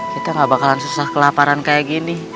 kita gak bakalan susah kelaparan kayak gini